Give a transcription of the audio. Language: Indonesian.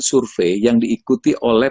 survei yang diikuti oleh